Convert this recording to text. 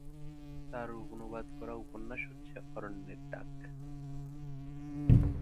তার অনুবাদ করা উপন্যাস হচ্ছে 'অরণ্যের ডাক'।